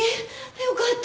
よかった！